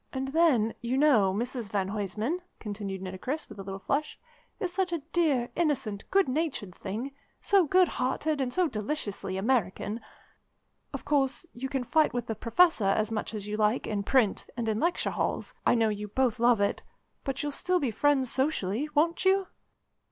"And then, you know, Mrs van Huysman," continued Nitocris with a little flush, "is such a dear, innocent, good natured thing, so good hearted and so deliciously American. Of course, you can fight with the Professor as much as you like in print, and in lecture halls I know you both love it but you'll still be friends socially, won't you?"